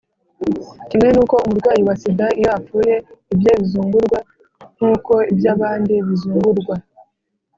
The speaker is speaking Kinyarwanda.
kimwe nuko umurwayi wa sida iyo apfuye, ibye bizungurwa nk’uko ibyabandi bose bizungurwa.